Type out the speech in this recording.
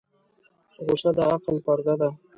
غوسه د عقل پرده ده.